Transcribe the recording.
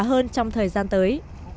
hơn trong thời gian tới